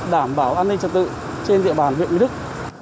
đảm bảo an ninh trật tự trên địa bàn huyện mỹ đức